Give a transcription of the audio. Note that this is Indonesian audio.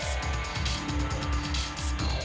kan diri lu nur